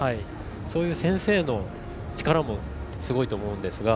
そういう先生の力もすごいと思うんですが。